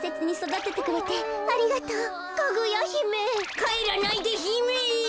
かえらないでひめ！